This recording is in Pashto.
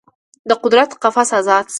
د قدرت قفس ازاد شي